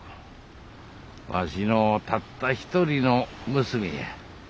わしのたった一人の娘や。